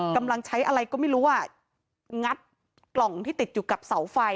กำลังใช้อะไรก็ไม่รู้ว่างัดกล่องที่ติดอยู่กับเสาไฟ